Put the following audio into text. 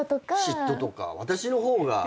嫉妬とか私の方が。